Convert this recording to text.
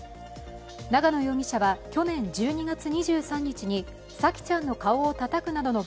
長野容疑者は去年１２月２３日に沙季ちゃんの顔をたたくなどの